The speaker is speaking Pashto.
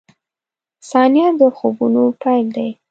• ثانیه د خوبونو پیل دی.